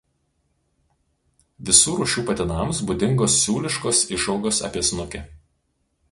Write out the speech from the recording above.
Visų rūšių patinams būdingos siūliškos išaugos apie snukį.